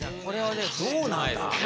どうなんだ？